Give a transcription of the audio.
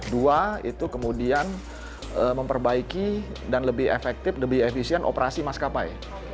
dua itu kemudian memperbaiki dan lebih efektif lebih efisien operasi maskapai